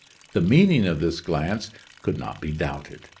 The meaning of this glance could not be doubted.